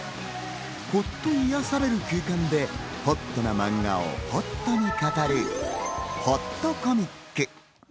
ほっと癒やされる空間でほっとなマンガをほっとに語るほっとコミック。